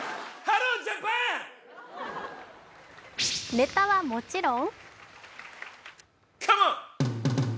ネタはもちろん！